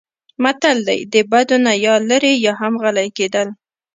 متل دی: د بدو نه یا لرې یا هم غلی کېدل.